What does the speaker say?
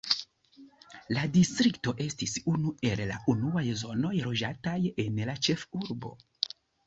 La distrikto estis unu el la unuaj zonoj loĝataj en la ĉefurbo.